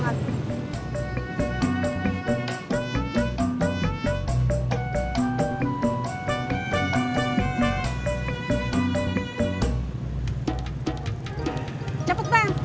mau cepet ya